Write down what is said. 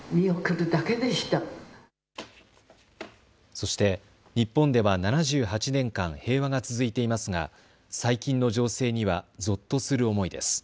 そして日本では７８年間、平和が続いていますが最近の情勢にはぞっとする思いです。